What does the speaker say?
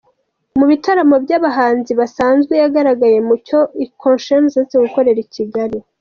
Mu bitaramo by’abahanzi basanzwe, yagaragaye mu cyo Konshens aherutse gukorera i Kigali.